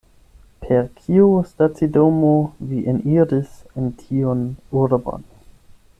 Per kiu stacidomo vi eniris en tiun urbon?